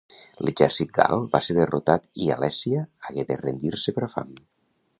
L'exèrcit gal va ser derrotat i Alèsia hagué de rendir-se per fam.